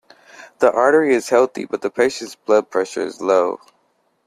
The artery is healthy but the patient's blood pressure is low.